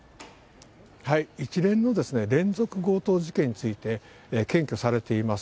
一連の連続強盗事件について、検挙されています。